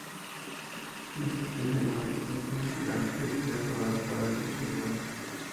La estrategia de marketing es el arte de crear valor para el consumidor.